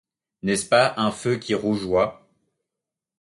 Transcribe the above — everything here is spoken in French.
N’est-ce pas un feu qui rougeoie ?